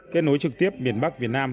kết nối trực tiếp miền bắc việt nam